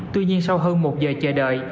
tuy nhiên sau hơn một giờ chờ đợi